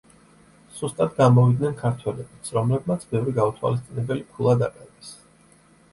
სუსტად გამოვიდნენ ქართველებიც, რომლებმაც ბევრი გაუთვალისწინებელი ქულა დაკარგეს.